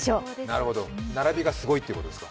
なるほど、並びがすごいということですか。